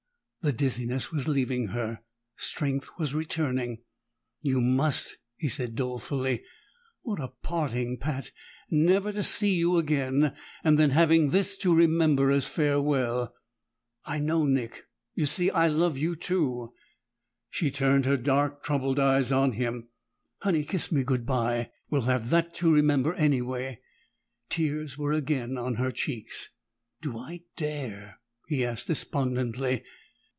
The dizziness was leaving her; strength was returning. "You must!" he said dolefully. "What a parting, Pat! Never to see you again, and then having this to remember as farewell!" "I know, Nick. You see, I love you too." She turned her dark, troubled eyes on him. "Honey, kiss me good bye! We'll have that to remember, anyway!" Tears were again on her cheeks. "Do I dare?" he asked despondently.